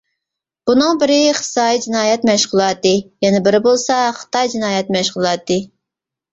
بۇنىڭ بىرى، ئىقتىسادىي جىنايەت مەشغۇلاتى يەنە بىرى بولسا خىتاي جىنايەت مەشغۇلاتى.